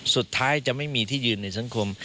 สุดท้ายจะไม่มีที่ยืนในสังคม